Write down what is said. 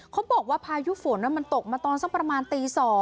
เขาบอกว่าพายุฝนมันตกมาตอนซักประมาณตี๒